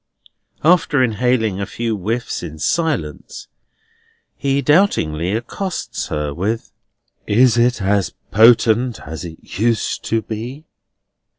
After inhaling a few whiffs in silence, he doubtingly accosts her with: "Is it as potent as it used to be?"